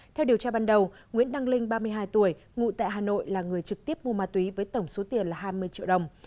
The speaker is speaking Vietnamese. theo điều tra ban đầu nguyễn đăng linh ba mươi hai tuổi ngụ tại hà nội là người trực tiếp mua ma túy với tổng số tiền là hai mươi triệu đồng